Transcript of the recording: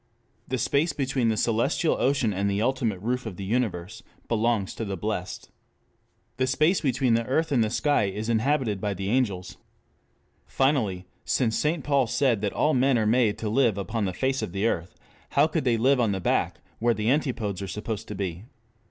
The space between the celestial ocean and the ultimate roof of the universe belongs to the blest. The space between the earth and sky is inhabited by the angels. Finally, since St. Paul said that all men are made to live upon the "face of the earth" how could they live on the back where the Antipodes are supposed to be?